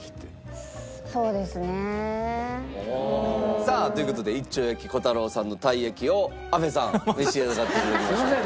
さあという事で一丁焼きこたろうさんのたい焼きを阿部さん召し上がって頂きましょう。